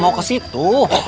mau ke situ